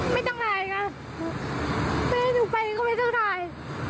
ไม่ต้องถ่ายกันไม่ให้หนูไปก็ไม่ต้องถ่าย